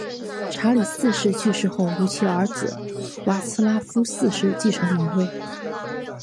查理四世去世后由其儿子瓦茨拉夫四世继承王位。